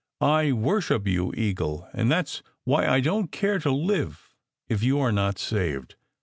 " I worship you, Eagle; and that s why I don t care to live if you are not saved.